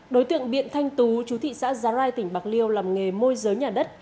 đối tượng biện thanh tú chú thị xã giá rai tỉnh bạc liêu làm nghề môi giới nhà đất